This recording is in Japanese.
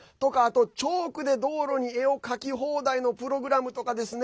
チョークで道路に絵を描き放題のプログラムとかですね